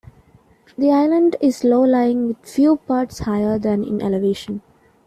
The island is low-lying with few parts higher than in elevation.